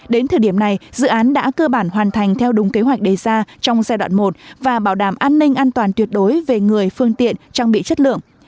đến thời điểm này dự án đã cơ bản hoàn thành theo đúng kế hoạch đề ra trong giai đoạn một và bảo đảm an ninh an toàn tuyệt đối về người phương tiện trang bị chất lượng